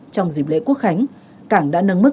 trong dịp lễ quốc khánh cảng đã nâng mức